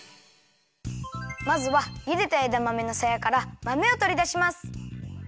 まずはゆでたえだまめのさやからまめをとりだします。